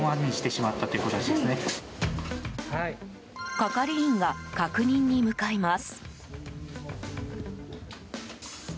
係員が確認に向かいます。